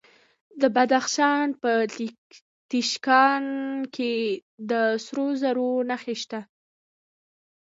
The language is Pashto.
د بدخشان په تیشکان کې د سرو زرو نښې شته.